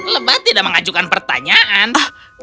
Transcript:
lebah tidak mengajukan pertanyaan